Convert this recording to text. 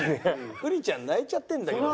くりちゃん泣いちゃってんだけど。